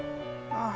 ああ。